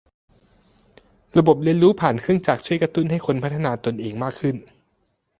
ระบบเรียนรู้ผ่านเครื่องจักรช่วยกระตุ้นให้คนพัฒนาตนเองมากขึ้น